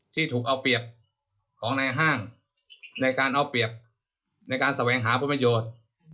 ที่ถูกเอาเปรียบของในห้างในการเอาเปรียบในการแสวงหาผลประโยชน์